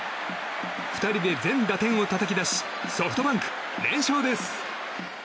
２人で全打点をたたき出しソフトバンク、連勝です。